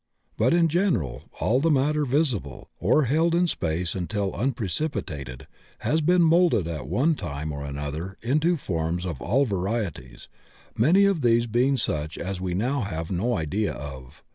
But in general all the matter visible, or held in space still unprecipitated, has been moulded at one time or another into forms of all varieties, many of these being such as we now have no idea of.